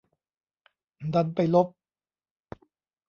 ดันไปลบ